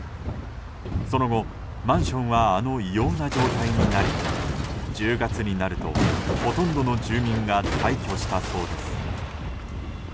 その後、マンションはあの異様な状態になり１０月になるとほとんどの住民が退去したそうです。